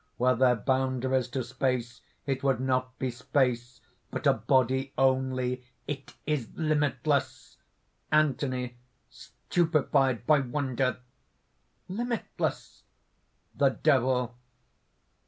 Were there boundaries to space, it would not be space, but a body only: it is limitless!" ANTHONY (stupefied by wonder): "Limitless!" THE DEVIL.